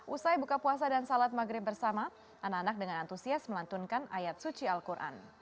usai buka puasa dan salat maghrib bersama anak anak dengan antusias melantunkan ayat suci al quran